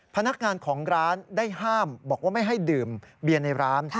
พนักงานของร้านได้ห้ามบอกว่าไม่ให้ดื่มเบียนในร้าน